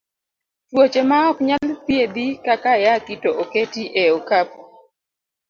Tuoche ma ok nyal thiedhi kaka ayaki to oketi e okapu.